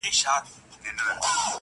د نښتر وني جنډۍ سوې د قبرونو!.